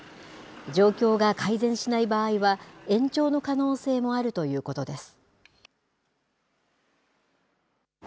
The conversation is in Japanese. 状況が改善しない場合は、延長の可能性もあるということです。